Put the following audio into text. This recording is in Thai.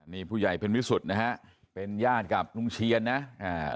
นี่ผู้ใหญ่เป็นวิสุทธิ์นะฮะเป็นญาติกับลุงเชียนนะอ่า